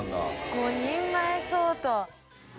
５人前相当。